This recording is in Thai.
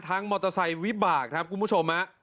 ทั้งมอเตอร์ไซค์วิบากนะครับคุณผู้ชม